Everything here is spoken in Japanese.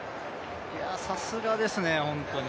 さすがですね、本当に。